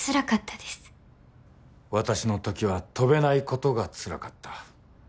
私の時は飛べないことがつらかった。